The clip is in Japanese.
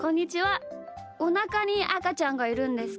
おなかにあかちゃんがいるんですか？